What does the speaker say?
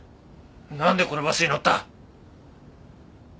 なんでこのバスに乗った？